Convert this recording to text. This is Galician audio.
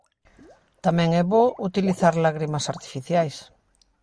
Tamén é bo utilizar lágrimas artificiais.